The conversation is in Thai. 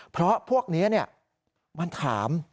เพราะพวกนี้มันถาม